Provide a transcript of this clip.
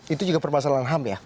itu juga permasalahan ham ya